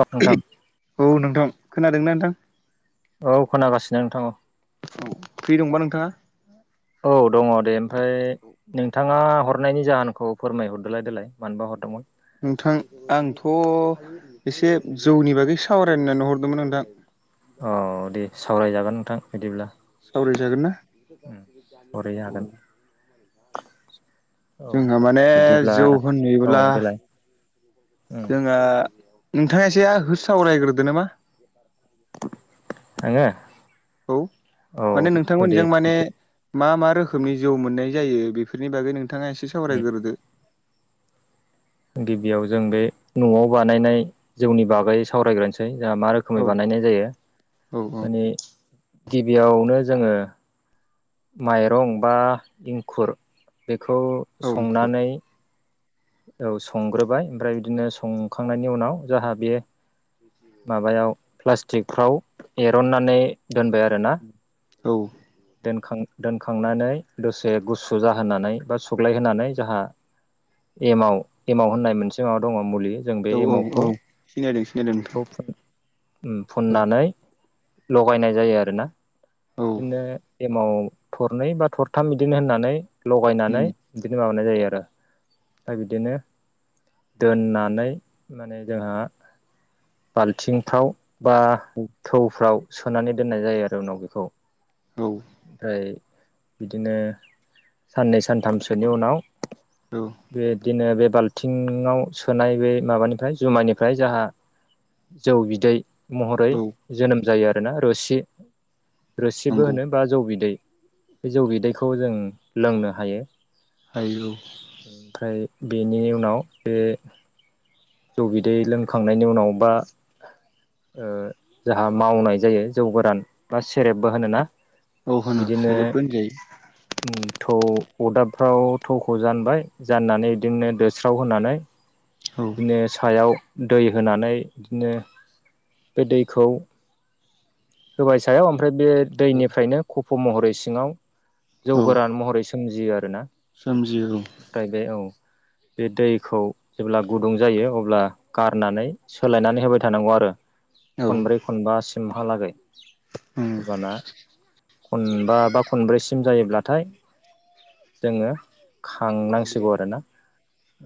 औ नोंथां औ नोंथां खोनादोंना नोंथां? औ खोनागासिनो नोंथां औ। औ फ्रि दंबा नोंथाङा? औ दङ दे ओमफाय नोंथाङा हरनायनि जाहोनखौ फोरमायहरदोलाय देलाय मानबा हरदोंमोन? नोंथां आंथ' एसे जौनि बागै सावरायनो होननानै हरदोंमोन नोंथां। औ दे सावरायजागोन नोंथां बिदिब्ला। सावराय जागोन ना उम सावरायनो [inaudible] औ। हागोन [unintelligible] जोंहा माने बिदिब्ला जौ औ होनैयोब्ला देलाय उम जोंहा नोंथाङा एसे हो सावरायग्रोदो नामा? [inaudible] आङो औ माने नोंथां औ दे मोननिजों माने बिदि मा मा रोखोमनि जौ मोननाय जायो बेफोरनि बागै‌ नोंथाङा एसे उम सावरायग्रोदो। गिबियाव जों बे न'आव बानायनाय जौनि बागै सावरायग्रोनोसै जाहा मा रोख औ खोमै बानायनाय जायो औ माने गिबियावनो जोङो माइरं बा इंखुर बेखौ औ संनानै औ संग्रोबाय ओमफ्राय बिदिनो संखांनायनि उनाव जाहा बे माबायाव प्लास्टिकफ्राव एर'ननानै दोनबाय आरोना। औ दोनखां दोनखांनानै दसे गुसु जाहोनानै बा सुग्लायहोनानै जाहा एमाव एमाव होननाय मोनसे माबा दङ मुलि। जों बे औ औ औ एमावखौ सिनायदों सिनायदों [inaudible] खौ नोंथां फुन उम फुननानै लगायनाय जायो आरोना औ दिनो एमाव थरनै बा थरथाम बिदिनो होननानै लगायनानै उम बिदिनो माबानाय जायो आरो फ्राय बिदिनो दोननानै माने जोंहा बाल्थिंफ्राव बा थौफ्राव सोनानै दोननाय जायो आरो उनाव बेखौ। औ ओइ बिदिनो साननै सानथामसोनि उनाव औ बेब्दिनो बे बाल्थिंआव सोनाय बे माबानिफ्राय जुमायनिफ्राय जाहा जौ बिदै महरै औ जोनोम जायो आरोना रसि रोसिबो नंगौ होनो। बा जौ बिदै बे जौ बिदैखौ जों लोंनो हायो। हायु फ्राय बेनि उनाव बे जौ बिदै लोंखांनायनि उनाव बा ओ जाहा मावनाय जायो जौ गोरान बा सेरेबबो होनोना। औ होनो बिदिनो सेरेबबो होनजायो ओम थौ अरदाबफ्राव थौखौ जानबाय जाननानै बिदिनो दोस्राव होनानै औ बिदिनो सायाव दै होनानै बिदिनो बे दैखौ होबाय सायाव ओमफ्राय बे दैनिफ्रायनो खफ' महरै सिङाव जौ औ गोरान महरै सोमजियो आरोना। सोमजियो औ ओमफ्राय बे औ बे दैखौ जेब्ला गुदुं जायो अब्ला गारनानै सोलायनानै होबाय थानांगौ आरो। औ खनब्रै खनबासिमहालागै उम औ होबाना खनबा बा खनब्रैसिम जायोब्लाथाय जोङो खांनांसिगौ आरो ना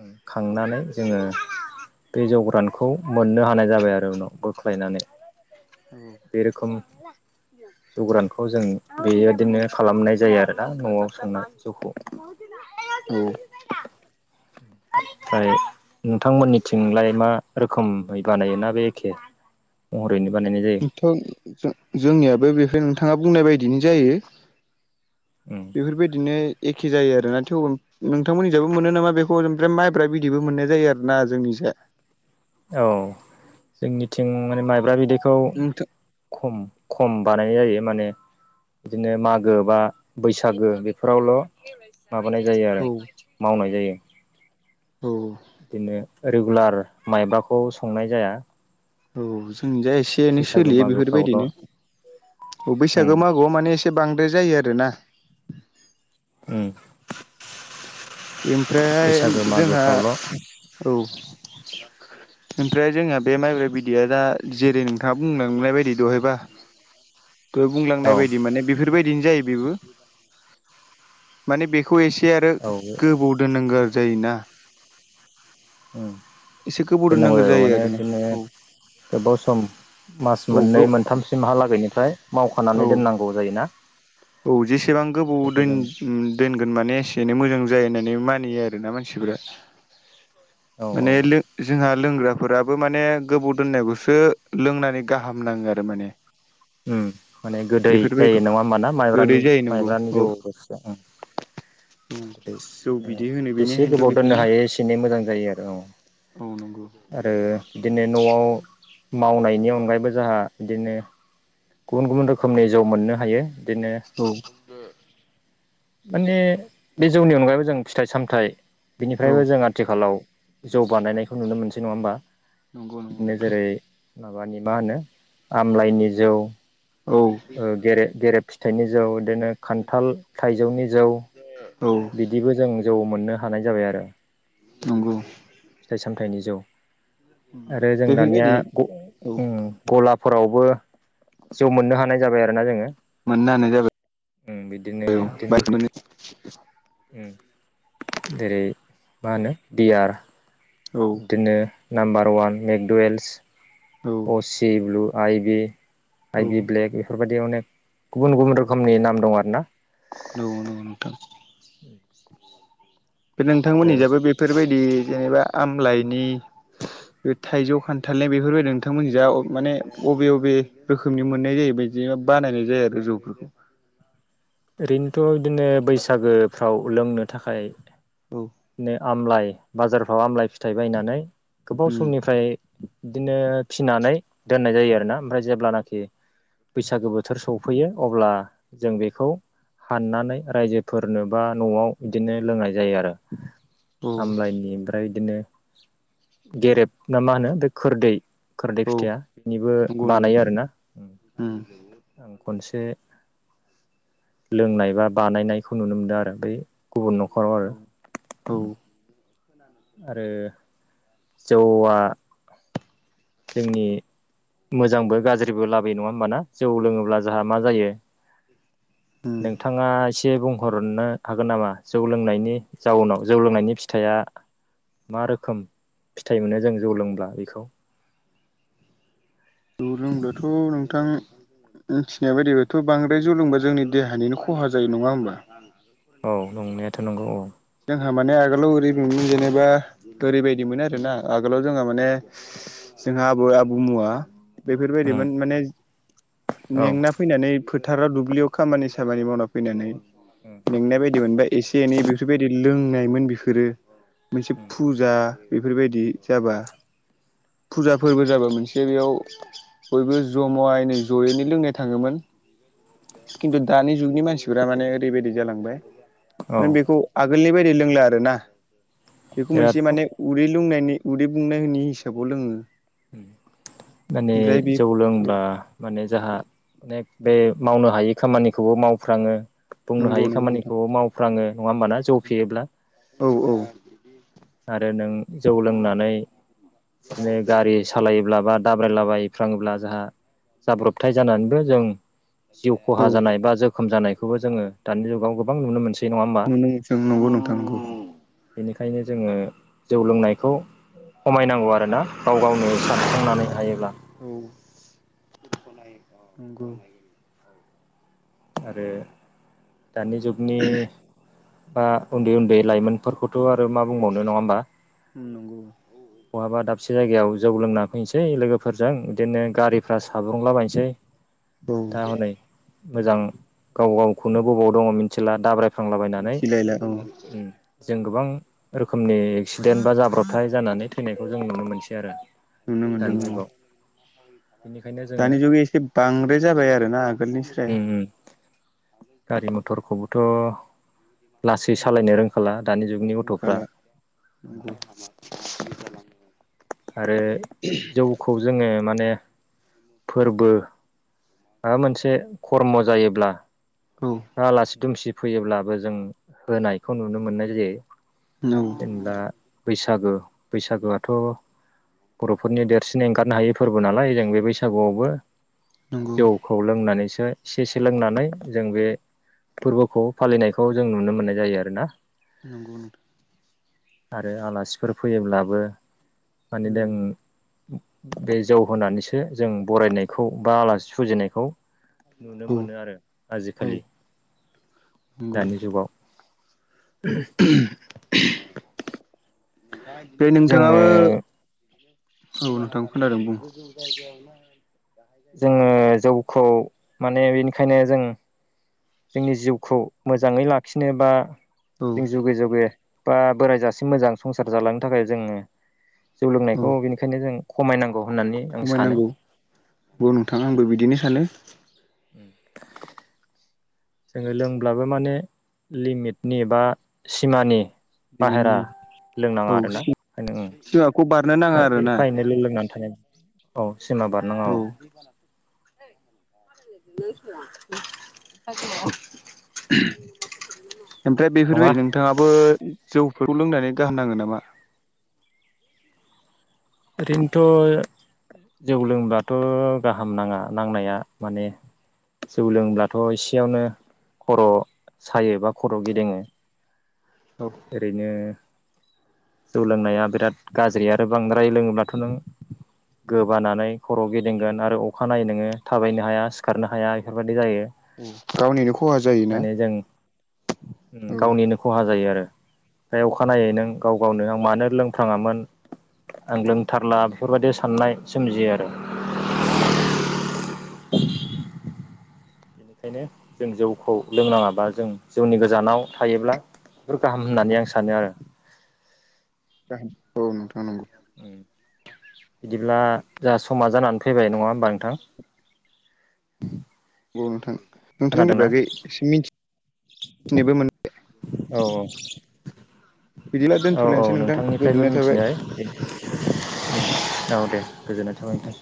ओम खांनानै जोङो बे जौ गोरानखौ मोननो हानाय जाबाय आरो उनाव बोख्लायनानै। औ खोम जौ गोरानखौ जों बेबायदिनो खालामनाय जायो आरोना न'आव संना जौखौ। औ ओमफ्राय नोंथांमोननिथिंलाय मा रोखोमै बानायो ना बे एखे महरैनो बानायनाय जायो। थ' जोंनियाबो बेखै नोंथाङा बुंनाय बायदिनो जायो। उम बेफोरबायदिनो एखे जायो आरोना थेव नोंथांमोननि जाबो मोनो नामा बेखौ ओमफ्राय माइब्रा बिदिबो मोननाय जायो आरो ना जोंनि जाय। औ जोंनिथिं माने माइब्रा बिदैखौ नोंथां खम खम बानायनाय जायो माने बिदिनो मागो बा बैसागो बेफोरावल' माबानाय जायो औ आरो मावनाय जायो औ बिदिनो रेगुलार माइब्राखौ संनाय जाया। औ जों जाय एसे एनै बैसागो सोलियो बेफोरबायदिनो मागोफ्रावल' औ उम बैसागो मागोआव माने एसे बांद्राय जायो आरो ना। ओम ओमफ्रायहाय जोंहा औ ओमफ्राय जोंहा बे माइब्र बिदैया दा जेरै नोंथाङा बुंलांनाय बायदि दहायबा दहाय औ बुंलांनाय बायदि माने बेफोरबायदिनो जायो बेबो। माने बेखौ एसे आरो औ गोबौ दोननांगौ जायोना। ओम एसे गोबाव दोननांगौ जायो माने आरोना बिदिनो औ गोबाव सम मास औ मोननै गो मोनथामसिमहालागैनिफ्राय औ मावखानानै दोननांगौ गोबाव जायोना। औ जेसेबां गोबाव बेखौ दोन जों ओम दोनगोन माने एसे एनै मोजां जायो होननानै मानियो आरोना मानसिफोरा। औ औ माने लों जोंहा लोंग्राफोराबो माने गोबाव दोननायखौसो लोंनानै गाहाम नाङो आरो माने। उम माने गोदै बेफोरबायदि जायो नङा होमबाना गोदै माइब्रानि जायो नंगौ माइब्रानि औ जौ रोसिया ओम गोदै जौ माने बिदै होनो जेसे बेनिखायनोथ' गोबाव दोननो बेखौना हायो एसेनो मोजां जायो आरो औ औ नंगौ आरो बिदिनो न'आव मावनायनि अनगायैबो जोंहा बिदिनो गुबुन गुबुन रोखोमनि जौ मोननो हायो बिदिनो औ माने बे जौनि अनगायैबो जों फिथाइ सामथाइ बिनिफ्रायबो जों आथिखालाव जौ बानायनायखौ नुनो मोनसै नङा होमबा नंगौ नंगौ बिदिनो नोंथां जेरै माबानि मा होनो आमलाइनि जौ औ ओ गेरे-गेरेब फिथाइनि जौ इदिनो खान्थाल थाइजौनि जौ औ बिदिबो जों जौ मोननो हानाय जाबाय आरो। नंगौ फिथाइ सामथायाइनि जौ आरो जों दानिया बेफोरबायदि औ गलाफोरावबो। जौ मोननो हानाय जाबाय आरो ना जोङो। मोननो होनानाय जाबाय उम बिदिनो बिदिनो [unintelligible] [unintelligible] जेरै मा होनो बियार, औ बिदिनो नाम्बार वान मेकडुवेल्स औ सिब्लु आइ बि आइ औ बि ब्लेक बेफोरबायदि अनेक गुबुन गुबुन रोखोमनि नाम दं आरो ना। औ नंगौ नोंथां। नोंथांमोननि जाबो बेफोरबायदि जेनेबा आमलाइनि, बे थाइजौ खान्थालनि बेफोरबायदि नोंथांमोनिजा माने अबे बबे रोखोमनि मोननाय जायो। बिदिनो बानायनाय जायो आरो जौफोरखौ ओरैनोथ' बिदिनो बैसागोफ्राव लोंनो थाखाय। औ। बिदिनो आमलाइ बाजारफ्राव आमलाइ फिथाइ बायनानै गोबाव उम समनिफ्राय बिदिनो फिनानै दोननाय जायो आरोना ओमफ्राय जेब्लानाखि, बैसागो बोथोर सफैयो अब्ला जों बेखौ। हाननानै रायजोफोरनो बा न'आव बिदिनो लोंनाय जायो आरो। औ हामलायनि ओमफ्राय बिदिनो गेरेब ना मा होनो बे खोरदै [unintelligible] औ फिथाइया बेनिबो नंगौ नंगौ बानायो आरोना। उम आं खनसे लोंनाय बा बानायनायखौ नुनो मोनदों आरो बै गुबुन न'खराव औ आरो औ। आरो। जौआ। जोंनि। मोजांबो गाज्रिबो लाबोयो नङा होमबाना जौ लोङोब्ला जोंहा मा जायो। उम नोंथाङा एसे बुंहरनो हागोन नामा जौ लोंनायनि जाउनाव जौ लोंनायनि फिथाइया मा रोखोम फिथाइ मोनो जों जौ लोंब्ला बेखौ लोंब्लाथ' नोंथां मिथिनाय बायदिब्लाथ' बांद्राय जौलोंबा जोंनि देहानिनो खहा जायो। नङा होमबा [unintelligible] औ नंनायाथ' नंगौ औ। जोंहा माने आगोलाव ओरै जेनेबा ओरैबायदि मोन आरोना आगोलाव जोंहा माने जोंहा आबै आबौ मोना उम बेफोरबायदिमोन माने औ मेंना फैनानै फोथाराव दुब्लियाव खामानि सामानि मावना फैनानै उम। मेंनाय बायदि मोनबा ऐसे एनै बेफोरबायदि लोंनायमोन बिफोरो मोनसे फुजा बेफोरबायदि जाबा फुजा फोरबो जाबा मोनसे बेयाव बयबो ज'मायै जयैनो लोंनाय थाङोमोन खिन्थु दानि जुगनि मानसिफोरा माने ओरैबायदि जालांबाय। औ बेखौ आगोलनि बायदि लोंला आरो ना बेखौ मोनसे माने बिराद उदै बुंनायनि हिसाबै हिसाबाव लोङो माने ओमफ्राय बे जौ औ लोंब्ला माने जाहा अनेक बे मावनो हायि खामानिखौबो मावफ्राङो बुंनो नंगौ हायि नंगौ नोंथां खामानिखौ मावफ्राङो नङा होमबाना जौ फेयोब्ला। औ औ। आरो नों जौ लोंनानै बिदिनो गारि। सालायोब्ला बा दाब्रायलाबायफ्राङोब्ला जोंहा जाब्रबथाय जानानैबो जों जिउ खहा जानाय बा जोखोम जानायखौबो जोङो दानि जुगाव गोबां नुनो मोनसै नङा होमबा [unintelligible] नंगौ नोंथां नंगौ बेनिखायनो जोङो जौ लोंनायखौ खमायनांगौ आरोना, गाव गावनो सानस्रांनानै हायोब्ला औ [unintelligible] आरो दानि जुगनि बा उन्दै उन्दै लाइमोनफोरखौथ' आरो मा बुंबावनो नङा होमबा उम नंगौ बहाबा दाबसे जायगायाव जौ लोंना फैनोसै लोगोफोरजों बिदिनो गारि फ्रा साब्रुंलाबायायनोसै औ दा हनै मोजां गाव गावखौनो बबाव दङ मिथिला दाब्राय फ्रांलाबायनानै मिथिलायला औ जों गोबां रोखोमनि एक्सिडेन्ट बा जाब्रबथाय जानानै थैनायखौ जों नुनो मोनसै आरो नुनो मोनदों दानि औ जुगाव बेनिखायनो जोङो दानि जुगै एसे बांद्राय जाबाय आरो ना आगोलनिख्रुय उम उम गारि मथरखौबोथ' लासै सालायनो रोंखाला दानि जुगनि गथ'फ्रा रोंखाला [unintelligible] आरो जौखौ जोङो माने फोरबो माबा मोनसे खर्म जायोब्ला औ आलासि दुमसि फैयोब्लाबो जों होनायखौ नुनो मोननाय जायो नं जेनेबा बैसागो बैसागोआथ' बर'फोरनि देरसिन एंगारनो हायै फोरबो नालाय जों बे बैसागुआवबो जौखौ लोंनानैसो एसेसे लोंनानै जों बे फोरबोखौ फालिनायखौ जों नुनो मोननाय जायो आरो ना नंगौ नोंथां आरो आलासिफोर फैयोब्लाबो माने लों बे जौ होनानैसो जों बरायनायखौ बा आलासि फुजिनायखौ नुनो औ मोनो आरो आजिखालि। नंगौ दानि जुगाव [unintelligible] [unintelligible] बे नोंथाङाबो जोङो औ नोंथांखौ खोनदों बुं। जोङो जौखौ माने बेनिखायनो जों जोंनि जिउखौ मोजाङै लाखिनो बा औ जों जुगे जुगे बा बोराय जासिम मोजां संसार जालांनो थाखाय जोङो जौ औ लोंनायखौ बेनिखायनो जों खमायनांगौ होननानै आं सानो खमायनांगौ औ नोंथां आंबो बिदिनो सानो [inaudible] जोङो लोंब्लाबो माने लिमिटनि बा सिमानि बाहेरा बेबायदिनो लोंनाङा आरोना ओंखायनो [unintelligible] बार एफा एफा एनैल' लोंनानै थानाय औ सिमा बारनाङा औ [unintelligible] [unintelligible] ओमफ्राय नङा बेफोरबायदि नोंथाङाबो जौफोरखौ लोंनानै गाहाम नांगोन नामा ओरैनोथ' जौ लोंब्लाथ' गाहाम नाङा नांनाया माने जौ लोंब्लाथ' एसेयावनो खर' सायो बा खर' गिदिङो औ ओरैनो जौ लोंनाया बिराद गाज्रि आरो बांद्राय लोङोब्लाथ' नों गोबानानै खर' गिदिंगोन आरो अखानायनायै नोङो थाबायनो हाया सिखारनो हाया बेफोरबायदि जायो गावनिनो खहा जायोना माने जों औ गावनिनो खहा जायो आरो ओम अखानायै नों गाव गावनो आं मानो लोंफ्राङामोन आं लोंथारला बेफोरबायदि साननाय सोमजियो आरो [inaudible] बेनिखायनो जों जौखौ लोंनाङाबा जों जौनि गोजानाव थायोब्ला बेफोर गाहाम होननानै आं सानो आरो औ नोंथां नंगौ बिदिब्ला जाहा समा जानानै फैबाय नङा होमबा नोंथां औ नोंथां नोंथांनि खोनादोंना बागैबो मिथिनोबो मोन औ औ बिदिब्ला औ औ दोनथ'लायनोसै नोंथां नोंथांनिफ्रायबो गोजोननाय थाबाय मिथिनो हायो औ दे गोजोननाय थाबाय